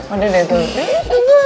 udah deh tuh